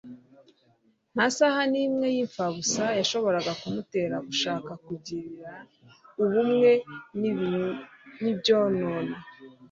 Nta saha n'imwe y'imfabusa yashoboraga kumutera gushaka kugirana ubumwe n'ibyonona.